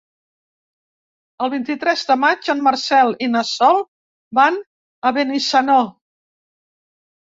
El vint-i-tres de maig en Marcel i na Sol van a Benissanó.